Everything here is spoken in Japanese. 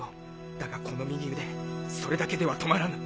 だがこの右腕それだけでは止まらぬ。